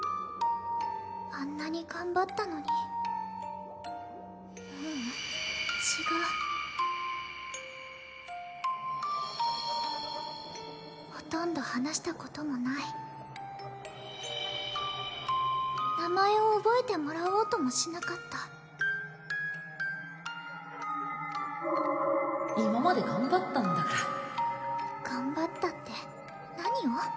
あんなに頑張ったのにううん違うほとんど話したこともない名前を覚えてもらおうともしなかった今まで頑張ったんだから頑張ったって何を？